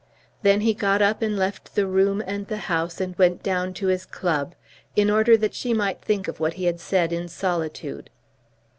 Then he got up and left the room and the house, and went down to his club, in order that she might think of what he had said in solitude.